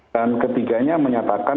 dan ketiganya menyatakan